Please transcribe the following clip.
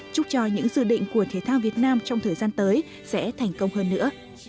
chúc cho những dự định của thể thao việt nam trong thời gian tới sẽ thành công hơn nữa